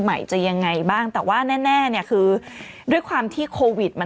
ใหม่จะยังไงบ้างแต่ว่าแน่แน่เนี่ยคือด้วยความที่โควิดมัน